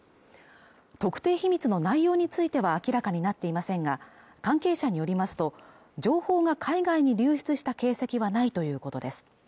特定秘密の内容については明らかになっていませんが関係者によりますと情報が海外に流出した形跡はないということです